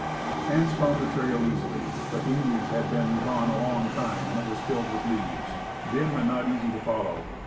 Hance found the trail easily, but the Indians had been gone a long time, and it was filled with leaves, dim, and not easy to follow.